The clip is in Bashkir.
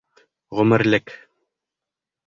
Ғүмерлек!